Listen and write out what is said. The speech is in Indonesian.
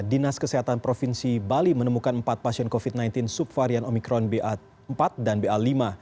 dinas kesehatan provinsi bali menemukan empat pasien covid sembilan belas subvarian omikron ba empat dan ba lima